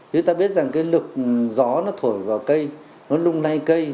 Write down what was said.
người ta biết rằng cái lực gió nó thổi vào cây nó lung lay cây